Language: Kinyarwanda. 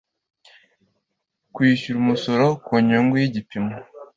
kwishyura umusoro ku nyungu yi gipimo